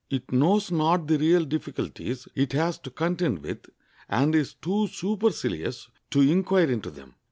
It knows not the real difficulties it has to contend with, and is too supercilious to inquire into them.